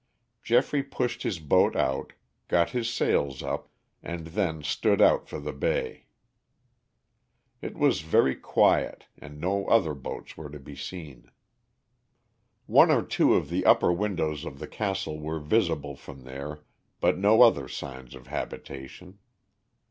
Geoffrey pushed his boat out, got his sails up, and then stood out for the bay. It was very quiet, and no other boats were to be seen. One or two of the upper windows of the castle were visible from there, but no other signs of habitation.